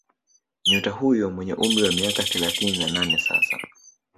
Nyota huyo mwenye umri wa miaka thelathini na nne sasa